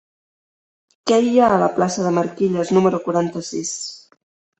Què hi ha a la plaça de Marquilles número quaranta-sis?